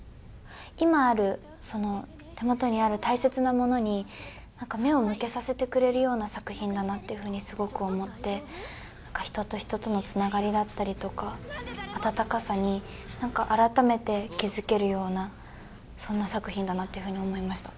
今ある、手元にある大切なものに、なんか目を向けさせてくれるような作品だなというふうにすごく思って、なんか人と人とのつながりだったりとか、温かさに、なんか改めて気付けるような、そんな作品だなっていうふうに思いました。